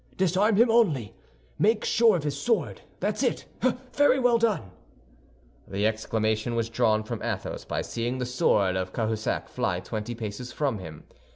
Disarm him only—make sure of his sword. That's it! Very well done!" The exclamation was drawn from Athos by seeing the sword of Cahusac fly twenty paces from him.